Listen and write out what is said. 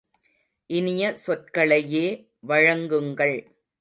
இனிய சொற்களையே வழங்குங்கள்!